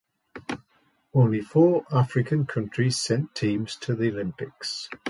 Only four African countries have sent teams to the Olympics.